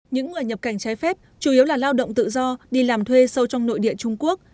những người nhập cảnh trái phép chủ yếu là lao động tự do đi làm thuê sâu trong nội địa trung quốc